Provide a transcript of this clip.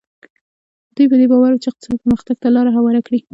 دوی په دې باور وو چې اقتصادي پرمختګ ته لار هواره کړي.